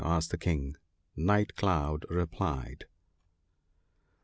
' asked the King. Night cloud replied :— PEACE.